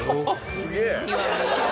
すげえ！